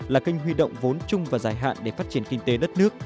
là kênh huy động vốn chung và dài hạn để phát triển kinh tế đất nước